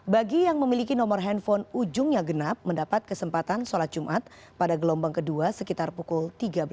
bagi yang memiliki nomor handphone ujungnya genap mendapat kesempatan sholat jumat pada gelombang kedua sekitar pukul tiga belas